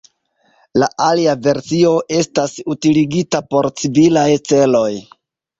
La alia versio estas utiligita por civilaj celoj.